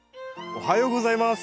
おはようございます。